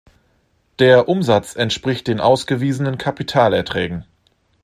Der Umsatz entspricht den ausgewiesenen Kapitalerträgen.